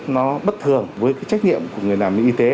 nó bất thường với cái trách nhiệm của người làm y tế